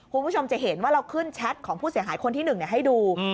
คุณผู้ชมจะเห็นว่าเราขึ้นแชทของผู้เสียหายคนที่๑ให้ดู